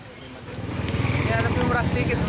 lebih murah sedikit